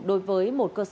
đối với một tên tử hình